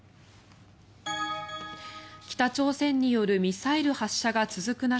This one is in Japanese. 北朝鮮によるミサイル発射が続く中